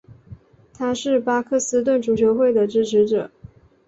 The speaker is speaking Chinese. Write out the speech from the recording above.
他是巴克斯顿足球会的支持者。